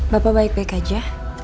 bapak baik baik aja